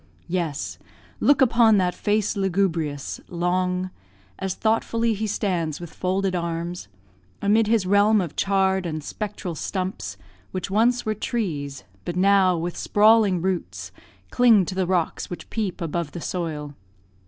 Yes! look upon that face lugubrious, long, As thoughtfully he stands with folded arms Amid his realm of charr'd and spectral stumps, Which once were trees, but now, with sprawling roots, Cling to the rocks which peep above the soil.